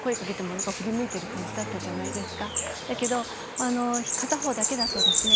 だけど片方だけだとですね